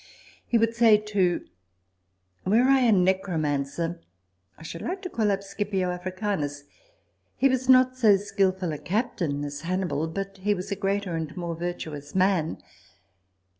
He would say, too, " Were I a necromancer, I should like to call up Scipio Africanus : he was not so skilful a captain as Hannibal ; but he was a greater and more virtuous man.